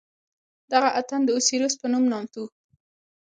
دغه تن د اوسیریس په نوم نامتوو.